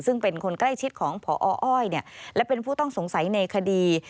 ซึ่งเป็นคนใกล้ชิดของพออ้อยและเป็นผู้ต้องสงสัยในคดี